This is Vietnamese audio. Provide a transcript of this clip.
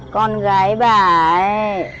con gái bà ấy